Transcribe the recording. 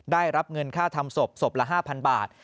ได้รับเงินค่าทำศพศพละ๕๐๐บาท